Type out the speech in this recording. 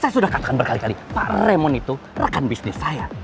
saya sudah katakan berkali kali pak remon itu rekan bisnis saya